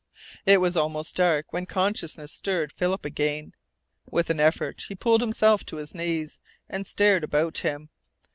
It was almost dark when consciousness stirred Philip again. With an effort he pulled himself to his knees, and stared about him.